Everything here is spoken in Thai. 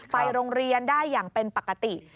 ไปโรงเรียนได้อย่างเป็นปกติ